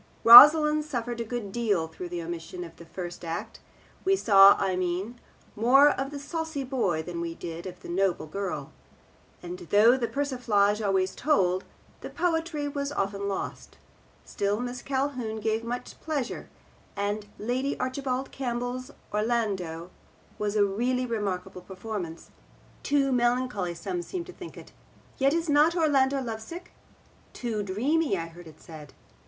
Rosalind suffered a good deal through the omission of the first act; we saw, I mean, more of the saucy boy than we did of the noble girl; and though the persiflage always told, the poetry was often lost; still Miss Calhoun gave much pleasure; and Lady Archibald Campbell's Orlando was a really remarkable performance. Too melancholy some seemed to think it. Yet is not Orlando lovesick? Too dreamy, I heard it said.